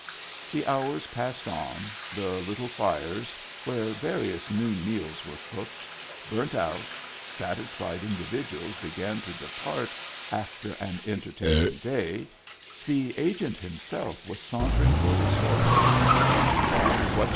The hours passed on, the little fires, where various noon meals were cooked, burnt out, satisfied individuals began to depart after an entertaining day, the Agent himself was saunter ing toward his horse.